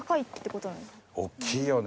大きいよね。